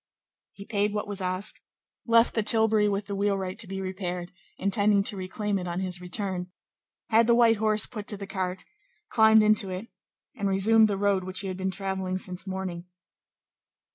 He paid what was asked, left the tilbury with the wheelwright to be repaired, intending to reclaim it on his return, had the white horse put to the cart, climbed into it, and resumed the road which he had been travelling since morning.